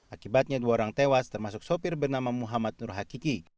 akibatnya dua orang tewas termasuk sopir bernama muhammad nurhakiki